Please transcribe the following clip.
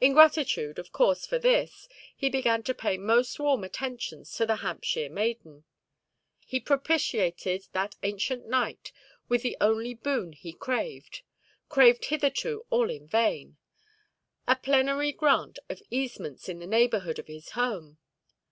In gratitude, of course, for this, he began to pay most warm attentions to the Hampshire maiden. He propitiated that ancient knight with the only boon he craved—craved hitherto all in vain—a plenary grant of easements in the neighbourhood of his home.